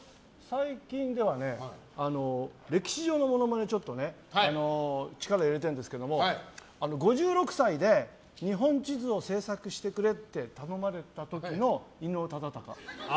最近ではね歴史上のモノマネをちょっとね力を入れてるんですけど５６歳で日本地図を製作してくれって頼まれた時の伊能忠敬。